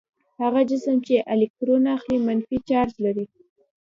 هغه جسم چې الکترون اخلي منفي چارج لري.